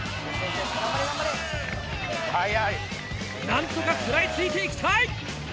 なんとか食らいついていきたい！